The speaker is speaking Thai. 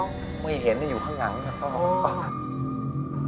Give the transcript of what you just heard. โอ้โฮมึงเห็นมันอยู่ข้างหลังนี่ครับพ่อ